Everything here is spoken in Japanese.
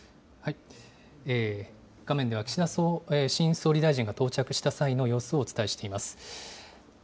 画面では岸田新総理大臣が到着した際の様子をお伝えしています。